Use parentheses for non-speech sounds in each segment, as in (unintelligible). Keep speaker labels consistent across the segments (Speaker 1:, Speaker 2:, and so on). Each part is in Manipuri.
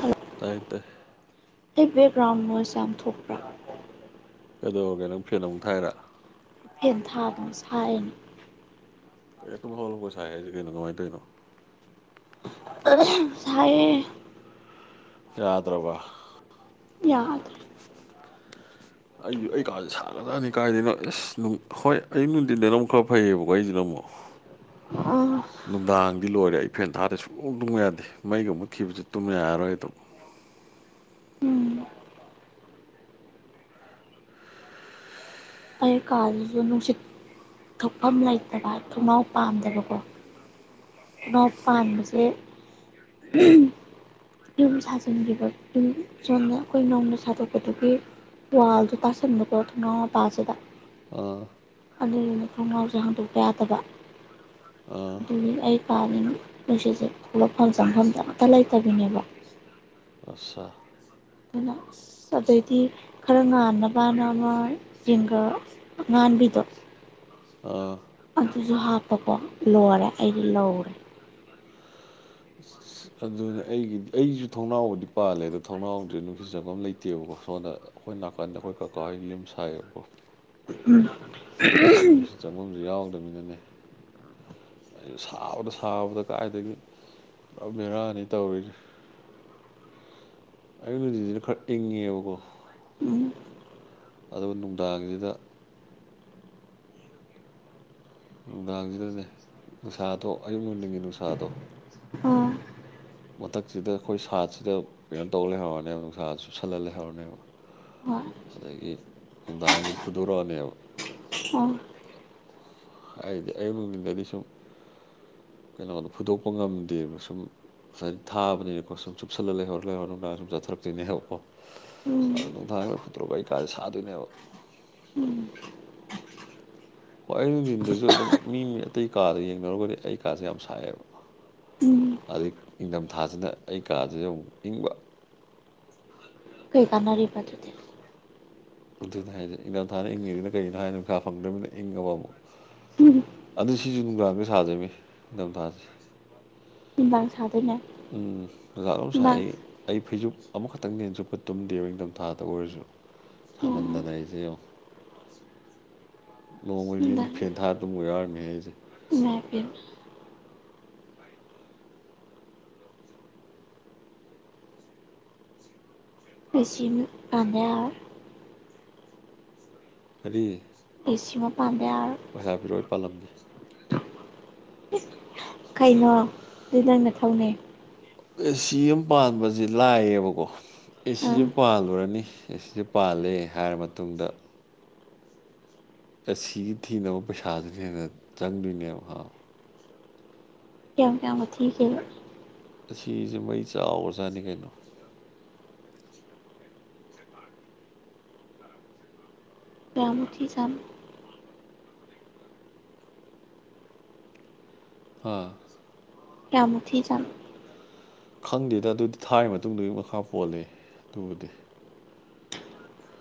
Speaker 1: ꯍꯜꯂꯣ
Speaker 2: ꯇꯥꯏ ꯇꯥꯏ
Speaker 1: ꯑꯩ ꯕꯦꯛꯒ꯭ꯔꯥꯎꯟ ꯅꯣꯏꯁ ꯌꯥꯝ ꯊꯣꯛꯄ꯭ꯔꯥ
Speaker 2: ꯑꯗꯨ ꯀꯩꯅꯣ ꯐꯦꯟ ꯑꯃꯨꯛ ꯊꯥꯢꯔꯥ
Speaker 1: ꯐꯦꯟ ꯊꯥꯕꯅꯦ ꯁꯥꯏꯌꯦꯅ
Speaker 2: ꯀꯩꯅꯣ ꯇꯨꯝ ꯍꯧꯒꯠꯂꯛꯄꯒ ꯁꯥꯏ ꯍꯥꯢꯁꯦ ꯀꯩꯅꯣ ꯀꯃꯥꯢ ꯇꯧꯢꯅꯣ
Speaker 1: (unintelligible) ꯁꯥꯢꯌꯦ
Speaker 2: ꯌꯥꯗ꯭ꯔꯥꯕ
Speaker 1: ꯌꯥꯗ꯭ꯔꯦ
Speaker 2: ꯑꯩꯖꯨ ꯑꯩ ꯀꯥꯖꯦ ꯁꯥꯒ꯭ꯔꯥꯖꯥꯅꯤ ꯀꯥꯏꯗꯩꯅꯣ ꯑꯦꯁ ꯍꯣꯏ ꯑꯌꯨꯛ ꯅꯨꯡꯊꯤꯟꯗꯅ ꯑꯃꯨꯛ ꯈꯔ ꯐꯩꯌꯦꯕꯀꯣ ꯑꯩꯖꯤꯅ ꯑꯃꯨꯛ (inaudible)
Speaker 1: ꯑ
Speaker 2: ꯅꯨꯡꯗꯥꯡꯗꯤ ꯂꯣꯏꯔꯦ ꯑꯩ ꯐꯦꯟ ꯊꯥꯗꯦ ꯁꯨꯡꯛ ꯇꯨꯝꯕ ꯌꯥꯗꯦ ꯃꯩꯒ ꯃꯨꯠ ꯈꯤꯕꯁꯦ ꯇꯨꯝꯕ ꯌꯥꯔꯔꯣꯏ ꯑꯗꯨꯝ
Speaker 1: ꯎꯝ ꯑꯩ ꯀꯥꯖꯤꯖꯨ ꯅꯨꯡꯁꯤꯠ ꯊꯣꯛꯐꯝ ꯂꯩꯇꯕ ꯊꯣꯡꯅꯥꯎ ꯄꯥꯝꯗꯕꯀꯣ ꯅꯥꯎ ꯄꯥꯟꯕꯁꯦ (unintelligible) ꯌꯨꯝ ꯁꯥꯖꯤꯟꯈꯤꯕ ꯌꯨꯝ ꯁꯣꯝꯗ ꯑꯩꯈꯣꯏ ꯅꯧꯅ ꯁꯥꯗꯣꯛꯄꯗꯨꯒꯤ ꯋꯥꯜꯗꯣ ꯇꯥꯁꯟꯕꯀꯣ ꯊꯣꯡꯅꯥꯎꯄꯥꯁꯤꯗ
Speaker 2: ꯑꯥ
Speaker 1: ꯑꯗꯨꯢꯗꯨꯅ ꯊꯣꯡꯅꯥꯎꯁꯦ ꯍꯥꯡꯗꯣꯛꯄ ꯌꯥꯗꯕ
Speaker 2: ꯑꯥ
Speaker 1: ꯑꯗꯨꯒꯤ ꯑꯩ ꯀꯥꯜꯂꯤ ꯅꯨꯡꯁꯤꯠꯁꯦ ꯊꯣꯛꯂꯛꯐꯝ ꯆꯪꯐꯝꯗ ꯑꯝꯇ ꯂꯩꯇꯕꯤꯅꯦꯕ
Speaker 2: ꯑꯁꯥ
Speaker 1: ꯑꯗꯨꯅ ꯑꯁ ꯑꯗꯩꯗꯤ ꯈꯔ ꯉꯥꯟꯅꯕꯅ ꯑꯃ ꯖꯤꯡꯒ ꯑꯉꯥꯟꯕꯤꯗꯣ
Speaker 2: ꯑꯥ
Speaker 1: ꯑꯗꯨꯖꯨ ꯍꯥꯞꯄꯀꯣ ꯂꯣꯔꯦ ꯑꯩꯗꯤ ꯂꯧꯔꯦ
Speaker 2: ꯑꯁ ꯑꯗꯨꯅ ꯑꯩꯒꯤꯗꯤ ꯑꯩꯖꯨ ꯊꯣꯡ ꯊꯣꯡꯅꯥꯎꯕꯨꯗꯤ ꯄꯥꯜꯂꯦ ꯑꯗꯣ ꯊꯅꯥꯎꯗꯤ ꯅꯨꯡꯁꯤꯠ ꯆꯚꯝ ꯂꯩꯇꯦꯕꯀꯣ ꯁꯣꯟꯗ ꯑꯈꯣꯏ ꯅꯥꯀꯟꯗ ꯑꯈꯣꯏ ꯀꯀꯥ ꯍꯣꯢꯒꯤ ꯌꯨꯝ ꯁꯥꯏꯌꯦꯕꯀꯣ
Speaker 1: ꯎꯝ (unintelligible)
Speaker 2: ꯆꯪꯕꯝꯁꯨ ꯌꯥꯎꯗꯕꯅꯤꯅꯅꯦ ꯑꯩꯁꯨ ꯁꯕꯗ ꯁꯥꯕꯗ ꯀꯥꯏꯗꯒꯤ ꯄꯨ ꯕꯦꯔꯥꯅꯤ ꯇꯧꯔꯤꯖꯤ ꯑꯌꯨꯛ ꯅꯨꯗꯤꯁꯤꯅ ꯈꯔ ꯏꯪꯉꯦꯕꯀꯣ
Speaker 1: ꯎꯝ
Speaker 2: ꯑꯗꯨꯒ ꯅꯨꯡꯗꯥꯡꯁꯤꯗ ꯅꯨꯡꯗꯥꯡꯁꯤꯗꯅꯦ ꯅꯨꯡꯁꯥꯗꯣ ꯑꯌꯨꯛ ꯅꯨꯡꯗꯤꯡꯒꯤ ꯅꯨꯡꯁꯥꯗꯣ
Speaker 1: ꯑꯣ
Speaker 2: ꯃꯊꯛꯁꯤꯗ ꯑꯩꯈꯣꯏ ꯁꯥꯠꯁꯤꯗ ꯀꯩꯅꯣ ꯇꯧ ꯂꯩꯍꯧꯔꯅꯦꯕ ꯅꯨꯡꯁꯥꯁꯤ ꯁꯨ ꯁꯜꯍꯜ ꯂꯩꯍꯧꯔꯅꯦꯕ
Speaker 1: ꯍꯣꯏ
Speaker 2: ꯑꯗꯒꯤ ꯅꯨꯡꯗꯥꯡꯁꯤ ꯐꯨꯗꯣꯔꯛꯑꯅꯦꯕ
Speaker 1: ꯑꯣ
Speaker 2: ꯍꯥꯏꯗꯤ ꯑꯩꯌꯨꯛ ꯅꯨꯡꯗꯤꯟꯗꯗꯤ ꯁꯨꯝ ꯀꯩꯅꯣꯗꯨ ꯐꯨꯗꯣꯛꯄ ꯉꯝꯗꯦꯕ ꯁꯨꯝ ꯉꯁꯥꯏ ꯊꯥꯕꯅꯤꯅꯀꯣ ꯁꯨꯝ ꯆꯨꯞꯜꯂ ꯂꯩꯍꯧꯔ ꯂꯩꯍꯧꯣ ꯅꯨꯡꯗꯥꯡ ꯁꯨꯝ ꯆꯠꯊꯔꯛꯇꯣꯏꯅꯦ ꯍꯥꯏꯕꯀꯣ
Speaker 1: ꯎꯝ
Speaker 2: ꯑ ꯅꯨꯡꯊꯥꯡꯗ ꯐꯨꯠꯗꯣꯔꯒ ꯑꯩ ꯀꯥꯁꯦ ꯁꯥꯗꯣꯏꯅꯦꯕ
Speaker 1: ꯎꯝ
Speaker 2: ꯍꯣꯏ ꯑꯩ ꯅꯨꯡꯊꯤꯟꯗꯁꯨ ꯑꯗꯨꯝ ꯃꯤ ꯑꯇꯩ ꯀꯥꯗ ꯌꯦꯡꯅꯔꯨꯔꯒꯗꯤ ꯑꯩ ꯀꯥꯁꯦ ꯌꯥꯝ ꯁꯥꯏꯑꯦꯕ
Speaker 1: ꯎꯝ
Speaker 2: ꯑꯗꯩ ꯏꯪꯊꯝꯊꯥꯁꯤꯅ ꯑꯩ ꯀꯥꯗꯨꯗ ꯑꯃꯨꯛ ꯏꯪꯕ
Speaker 1: ꯀꯩꯀꯥꯟꯅꯔꯤꯕꯗꯨꯗꯤ
Speaker 2: ꯑꯗꯨꯅ ꯍꯥꯏꯁꯦ ꯏꯪꯊꯝꯊꯥꯅ ꯏꯪꯉꯤꯁꯤꯅ ꯀꯔꯤꯅꯣ ꯍꯥꯏꯅ ꯄꯩꯁꯥ ꯐꯪꯗꯕꯅꯤꯅ ꯏꯪꯉꯕ ꯑꯃꯨꯛ ꯑꯗꯨ ꯁꯤꯁꯨ ꯅꯨꯡꯗꯥꯡꯗ ꯁꯥꯗꯣꯏꯅꯤ ꯅꯤꯡꯊꯝꯊꯥꯁꯦ
Speaker 1: ꯅꯨꯡꯗꯥꯡ ꯁꯥꯗꯣꯏꯅꯦ
Speaker 2: ꯎꯝ ꯑꯣꯖꯥ ꯑꯃ ꯁꯥꯏ
Speaker 1: ꯅꯨꯡꯗꯥꯡ
Speaker 2: ꯑꯩ ꯑꯩ ꯐꯩꯖꯨꯞ ꯑꯃꯈꯛꯇꯪ ꯅꯦꯟ ꯆꯨꯞꯄ ꯇꯨꯝꯗꯦꯕ ꯅꯤꯡꯊꯝꯊꯥꯗ ꯑꯣꯏꯔꯁꯨ
Speaker 1: ꯎꯝ
Speaker 2: ꯁꯃꯟꯗꯅ ꯑꯩꯁꯦ ꯌꯣꯡ ꯅꯣꯡꯃꯗꯤ
Speaker 1: ꯅꯨꯡꯗꯥꯡ
Speaker 2: ꯐꯦꯟ ꯊꯥ ꯇꯨꯝ ꯌꯥꯎꯔꯝꯃꯦ ꯑꯩꯁꯦ
Speaker 1: ꯏꯃꯥꯢꯄꯦꯃ ꯑꯦ ꯁꯤ ꯑꯝ ꯄꯥꯟꯗ ꯌꯥꯔꯔꯣꯢ
Speaker 2: ꯀꯔꯤ
Speaker 1: ꯑꯦꯁꯤ ꯑꯃ ꯄꯥꯝꯗ ꯌꯥꯔꯔ‌ꯣꯏ
Speaker 2: ꯄꯩꯁꯥ ꯄꯤꯔꯛꯑꯣ ꯑꯩ ꯄꯜꯂꯝꯒ‌ꯦ
Speaker 1: ꯀꯩꯅꯣ ꯑꯗꯨ ꯅꯪ ꯅꯊꯧꯅꯩ
Speaker 2: ꯑꯦ ꯁꯤ ꯑꯃ ꯄꯥꯟꯕꯁ‌ꯦ ꯂꯥꯏꯌꯦꯕꯀꯣ ꯑꯦꯁꯤ
Speaker 1: ꯑꯥ
Speaker 2: ꯑꯃ ꯄꯥꯜꯂꯨꯔꯅꯤ ꯑꯦꯁꯤꯁꯦ ꯄꯥꯜꯂꯦ ꯍꯥꯏꯔ ꯃꯇꯨꯡꯗ ꯑꯦ ꯁꯤꯒꯤ ꯊꯤꯅꯕ ꯄꯩꯁꯥꯗꯨꯅ ꯍꯦꯟꯅ ꯆꯪꯗꯣꯏꯅꯦꯕ
Speaker 1: ꯀꯌꯥꯝ ꯀꯌꯥꯝꯒ ꯊꯤꯒꯦꯕ
Speaker 2: ꯑꯁꯤꯁꯦ ꯃꯩ ꯆꯥꯎꯈꯔꯖꯥꯠꯅꯤ ꯀꯩꯅꯣ
Speaker 1: ꯀꯌꯥꯃꯨꯛ ꯊꯤꯖꯥꯠꯅꯣ
Speaker 2: ꯍꯥ
Speaker 1: ꯀꯌꯥꯝꯃꯨꯛ ꯊꯤꯖꯥꯠꯅꯣ
Speaker 2: ꯈꯪꯗꯦꯗ ꯑꯗꯨꯗꯤ ꯊꯥꯔꯤ ꯃꯇꯨꯡꯗꯨꯒꯤ ꯃꯈꯥ ꯄꯣꯜꯂ‌ꯦ ꯑꯗꯨꯕꯨꯗꯤ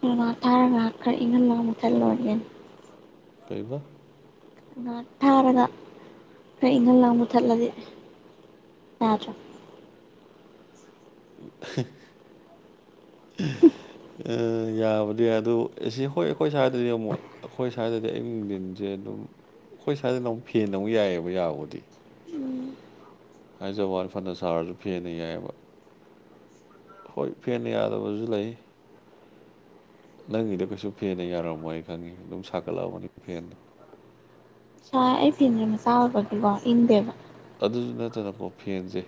Speaker 1: ꯉꯥꯏꯍꯥꯛ ꯊꯥꯔ ꯉꯥꯏꯍꯥꯛ ꯈꯔ ꯏꯪꯍꯟꯂꯒ ꯃꯨꯊꯠꯂ‌ꯣ
Speaker 2: ꯀꯩꯕ
Speaker 1: ꯉꯥꯏꯍꯥꯛ ꯊꯥꯔꯒ ꯈꯔ ꯏꯪꯍꯟꯂꯒ ꯃꯨꯊꯠꯂꯗꯤ ꯌꯥꯗ꯭ꯔꯥ
Speaker 2: (unintelligible)
Speaker 1: (inaudible)
Speaker 2: ꯑꯥ ꯌꯥꯕꯗꯤ ꯌꯥꯏ ꯑꯗꯨ ꯑꯦꯁꯤ ꯍꯣꯏ ꯑꯩꯈꯣꯏ ꯁ꯭ꯋꯥꯏꯗꯗꯤ ꯑꯃꯨꯛ ꯑꯩꯈꯣꯏ ꯁ꯭ꯋꯥꯏꯗꯗꯤ ꯑꯌꯨꯛ ꯅꯨꯡꯊꯤꯟꯁꯦ ꯑꯗꯨꯝ ꯑꯩꯈꯣꯏ ꯁ꯭ꯋꯥꯏꯗꯅ ꯑꯃꯨꯛ ꯐꯦꯟꯅ ꯑꯃꯨꯛ ꯌꯥꯏꯌ‌ꯦꯕ ꯌꯥꯕꯕꯨꯗꯤ
Speaker 1: ꯎꯝ
Speaker 2: ꯍꯥꯏꯖꯕꯩ ꯋꯥꯅꯤ ꯐꯅ ꯁꯥꯔꯁꯨ ꯐꯦꯟꯅ ꯌꯥꯏꯌ‌ꯦꯕ ꯍꯣꯏ ꯐꯦꯟꯅ ꯌꯥꯗꯕꯁꯨ ꯂꯩ ꯅꯪꯒꯤꯗ‌ꯣ ꯀꯩꯁꯨ ꯐꯦꯟꯅ ꯌꯥꯔꯝꯃꯣꯏ ꯑꯩ ꯈꯪꯉꯤ ꯑꯗꯨꯝ ꯁꯥꯒꯠꯂꯝꯒꯅꯤ ꯐꯦꯟ
Speaker 1: ꯁꯥꯏ ꯑꯩ ꯐꯤꯟꯁ‌ꯦ ꯃꯆꯥ ꯑꯣꯏꯕꯒꯤꯀꯣ ꯏꯪꯗꯦꯕ
Speaker 2: ꯑꯗꯨꯁꯨ ꯅꯠꯇꯅꯀꯣ ꯐꯦꯟꯁꯦ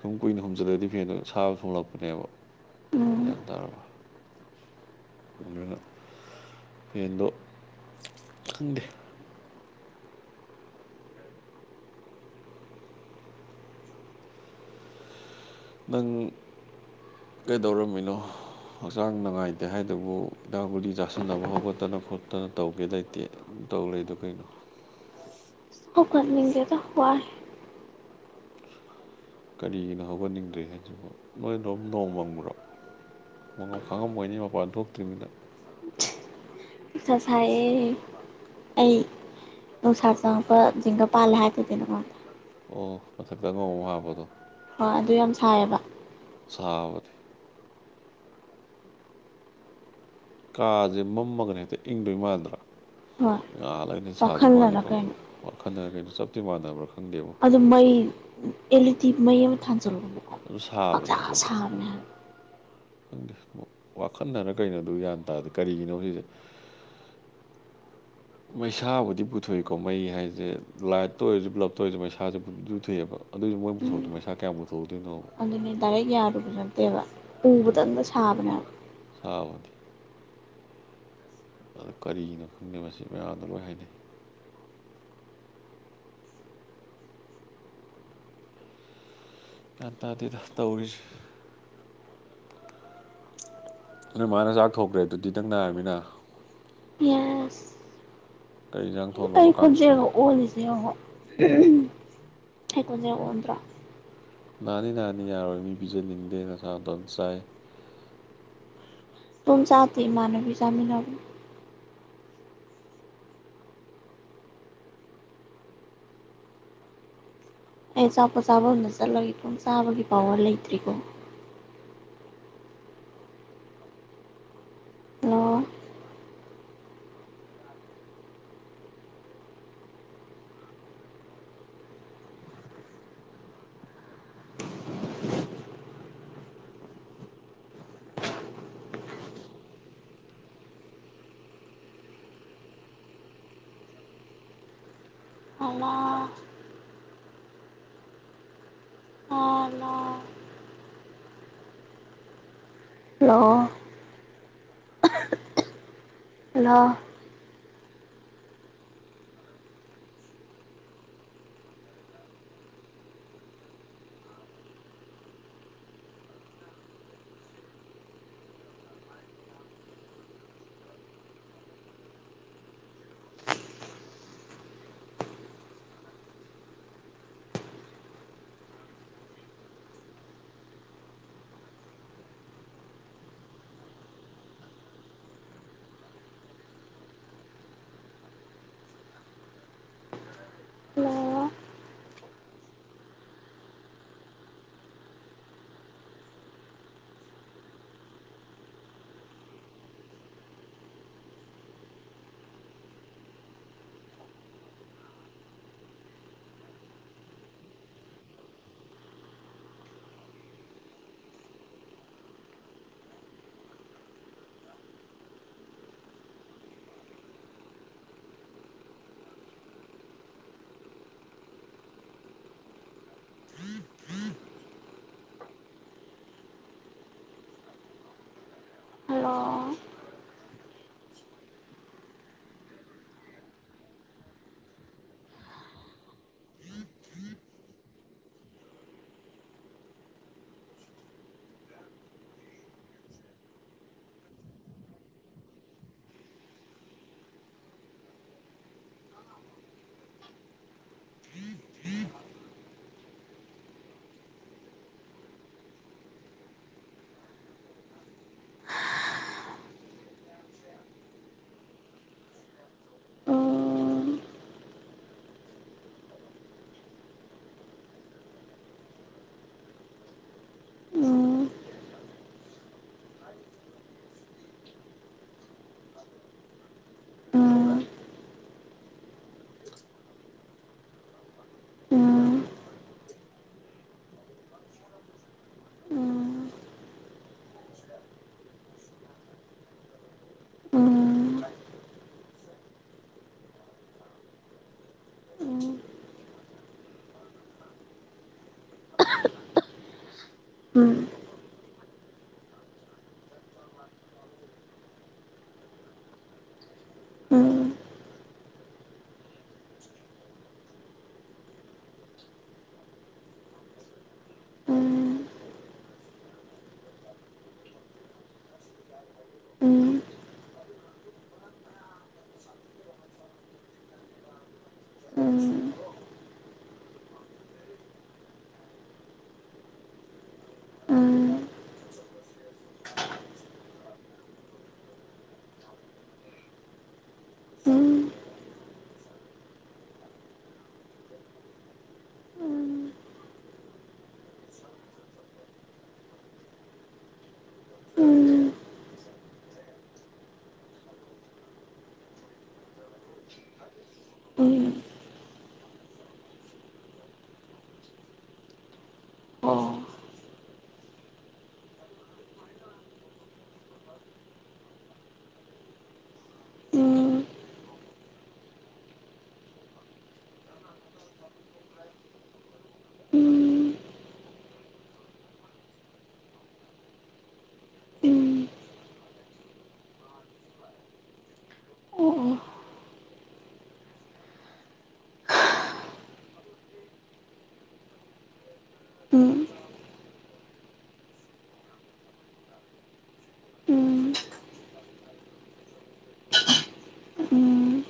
Speaker 2: ꯁꯨꯝ ꯀꯨꯏꯅ ꯍꯨꯝꯖꯤꯜꯂꯗꯤ ꯐꯦꯟꯗꯣ ꯑꯁꯥꯕ ꯊ‌ꯣꯛꯂꯛꯄꯅꯦꯕ
Speaker 1: ꯎꯝ
Speaker 2: ꯒꯌꯥꯟ ꯇꯥꯔꯕ ꯑꯗꯨꯅ ꯐꯦꯟꯗꯣ ꯈꯪꯗꯦ ꯅꯪ ꯀꯩꯗꯧꯔꯝꯃꯤꯅꯣ ꯍꯛꯆꯥꯡ ꯅꯨꯡꯉꯥꯏꯇꯦ ꯍꯥꯏꯗꯨꯕꯨ ꯍꯤꯗꯥꯛ ꯒꯨꯂꯤ ꯆꯥꯁꯤꯟꯅꯕ ꯍꯧꯒꯠꯇꯅ ꯈꯣꯠꯇꯅ ꯇꯧꯒꯦ ꯂꯩꯇꯦ ꯇꯧ ꯂꯩꯗꯣ ꯀꯩꯅꯣ
Speaker 1: ꯍꯧꯒꯠꯅꯤꯡꯗ‌ꯦꯗ ꯋꯥꯏ
Speaker 2: ꯀꯔꯤꯒꯤꯅꯣ ꯍꯧꯒꯠꯅꯤꯡꯗꯦ ꯍꯥꯏꯁꯤꯕꯣ ꯅꯣꯏꯗꯣꯝ ꯅꯣꯡ ꯃꯪꯕ꯭ꯔ‌ꯣ ꯈꯪꯉꯝꯃ‌ꯣꯏꯅ‌ꯦ ꯃꯄꯥꯟ ꯊꯣꯛꯇ꯭ꯔꯤꯅꯤꯅ
Speaker 1: ꯅꯨꯡꯁꯥ ꯁꯥꯏꯌꯦ ꯑꯩ ꯅꯨꯡꯁꯥ ꯆꯪꯉꯛꯄ ꯖꯤꯡꯒ ꯄꯥꯜꯂꯦ ꯍꯥꯏꯗꯨꯗꯤ‌ ꯅ‌ꯪꯉ‌ꯣꯟꯗ
Speaker 2: ꯑꯣ ꯃꯊꯛꯇ ꯑꯉꯧꯕ ꯑꯃ ꯍꯥꯞꯄꯗꯣ
Speaker 1: ꯍꯣꯏ ꯑꯗꯨ ꯌꯥꯝ ꯁꯥꯏꯌꯦꯕ
Speaker 2: ꯁꯥꯕꯅꯤ ꯀꯥꯁꯦ ꯃꯝꯃꯒꯅ ꯍꯦꯛꯇ ꯏꯪꯗꯣꯏ ꯃꯥꯟꯗ꯭ꯔꯥ
Speaker 1: ꯍꯣꯏ
Speaker 2: ꯉꯥꯜꯂꯒꯅ ꯁꯥꯗꯣꯏ
Speaker 1: ꯋꯥꯈꯜꯅꯔ
Speaker 2: ꯃꯥꯜꯂꯤꯀꯣ
Speaker 1: ꯀꯩꯅꯣ
Speaker 2: ꯋꯥꯈꯟꯅꯔ ꯀꯩꯅꯣ ꯆꯞꯇꯤ ꯃꯥꯟꯅꯕ꯭ꯔꯥ ꯈꯪꯗꯦꯕ
Speaker 1: ꯑꯗꯨ ꯃꯩ ꯑꯦꯜ ꯏ ꯗꯤ ꯃꯩ ꯑꯃ ꯊꯥꯟꯖꯜꯂꯨꯕꯀꯣ
Speaker 2: ꯑꯗꯨ
Speaker 1: ꯈꯪꯁꯥ
Speaker 2: ꯁꯥꯕꯅꯦ ꯑꯗꯨꯁꯨ
Speaker 1: ꯁꯥꯕꯅꯦ ꯍꯥꯏꯕ
Speaker 2: ꯈꯪꯗꯦ ꯋꯥꯈꯜꯅꯔ ꯀꯩꯅꯣ ꯑꯗꯨ ꯒꯌꯥꯟ ꯇꯥꯗ‌ꯦ ꯀꯔꯤꯒꯤꯅꯣ ꯁꯤꯁꯦ ꯃꯩꯁꯥꯕꯨꯗꯤ ꯄꯨꯊꯣꯛꯏꯀꯣ ꯃꯩ ꯍꯥꯏꯁꯦ ꯂꯥꯏꯠꯇ ꯑꯣꯏꯔꯁꯨ ꯕ꯭ꯂꯞꯇ ꯑꯣꯏꯔꯁꯨ ꯃꯩꯁꯥꯁꯦ ꯄꯨꯗꯤ ꯄꯨꯊꯣꯛꯑꯦꯕ ꯑꯗꯨꯏꯁꯨ ꯃꯣꯏ
Speaker 1: ꯎꯝ
Speaker 2: ꯄꯨꯊꯣꯛꯇꯅ ꯃꯩꯁꯥ ꯀꯌꯥꯝ ꯄꯨꯊꯣꯛꯊ‌ꯣꯏꯅꯣꯕ
Speaker 1: ꯑꯗꯨꯅꯦ ꯗꯥꯏꯔꯦꯛ ꯌꯥꯔꯨꯕ ꯅꯠꯇꯦꯕ ꯎꯕ
Speaker 2: ꯑꯗꯨꯅꯦ
Speaker 1: ꯇꯪꯗ ꯁꯥꯕꯅꯦꯕ
Speaker 2: ꯁꯥꯕꯅꯤ ꯑꯗꯨ ꯀꯔꯤꯒꯤꯅꯣ ꯈꯪꯗꯦ ꯃꯁꯤ ꯃꯌꯥꯝꯅ ꯂꯣꯏ ꯍꯥꯏꯅꯩ ꯒ꯭ꯌꯥꯟ ꯇꯥꯗꯦꯗ ꯇꯧꯔꯤꯁꯦ ꯅ‌ꯣꯏ ꯃꯥꯅ ꯆꯥꯛ ꯊꯣꯛꯈ꯭ꯔꯦ ꯑꯗꯨꯗꯤ ꯅꯪ ꯅꯥꯔꯕꯅꯤꯅ
Speaker 1: (unintelligible)
Speaker 2: ꯀꯔꯤ ꯌꯦꯟꯖꯥꯡ
Speaker 1: ꯑꯩ ꯈꯣꯟꯖꯦꯜꯒ ꯑꯣꯜꯂꯤꯁꯦ ꯌꯦꯡꯉꯣ (unintelligible) ꯑꯩ ꯈꯣꯟꯖꯦꯜ ꯑꯣꯟꯗ꯭ꯔꯣ
Speaker 2: ꯅꯥꯅꯤ ꯅꯥꯅꯤ ꯌꯥꯔꯣꯏ ꯃꯤ ꯄꯤꯖꯅꯤꯡꯗꯦ ꯅꯁꯥ ꯇꯣꯝ ꯆꯥꯏ
Speaker 1: ꯏꯇꯣꯟ ꯆꯥꯗꯦ ꯏꯃꯥꯟꯅꯕꯤ ꯆꯥꯃꯤꯅꯕꯅꯤ ꯑꯩ ꯑꯆꯥꯥꯄꯣꯠ ꯆꯥꯕꯝ ꯆꯠꯂꯒ ꯏꯇꯣꯝ ꯆꯥꯕꯒꯤ ꯄꯋꯥꯔ ꯂꯩꯇ꯭ꯔꯤꯀꯣ hello (unintelligible) (unintelligible) hello (unintelligible) hello hello hello (unintelligible) (unintelligible) ꯎꯝ ꯎꯝ ꯎꯝ ꯎꯝ ꯎꯝ ꯎꯝ ꯎꯝ ꯎꯝ ꯎꯝ ꯎꯝ ꯑꯝ ꯎꯝ ꯎꯝ (unintelligible) ꯎꯝ ꯑꯣ ꯎꯝ ꯎꯝ ꯎꯝ ꯑꯣ ꯑꯣ ꯎꯝ ꯎꯝ ꯎꯝ